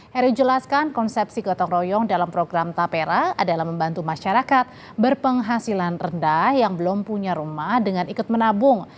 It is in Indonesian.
heri jelaskan konsepsi gotong royong dalam program tapera adalah membantu masyarakat berpenghasilan rendah yang belum punya rumah dengan ikut menabung